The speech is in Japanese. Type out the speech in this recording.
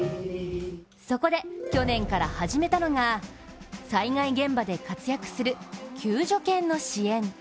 そこで去年から始めたのが災害現場で活躍する救助犬の支援。